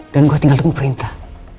dan gue tinggal tunggu perintah